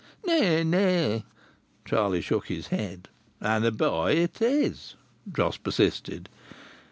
"Nay, nay!" Charlie shook his head. "And a boy it is!" Jos persisted.